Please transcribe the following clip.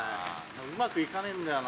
うまく行かねえんだよな。